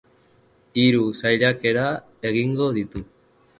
Hiru saiakera egingo ditu.